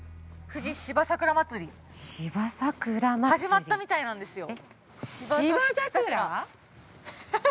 ◆富士芝桜まつり？◆始まったみたいなんですよ。